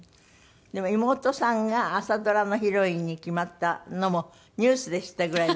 でも妹さんが朝ドラのヒロインに決まったのもニュースで知ったぐらい。